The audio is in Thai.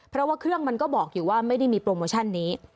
เพราะว่าเครื่องมันก็บอกอยู่ว่าไม่ได้มีโปรโมชั่นนี้